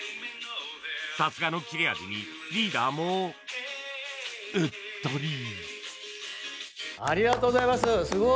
さすがの切れ味にリーダーもうっとり。